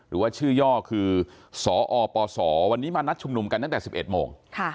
หรือว่าชื่อย่อคือสอปศวันนี้มานัดชุมนุมกันตั้งแต่๑๑โมง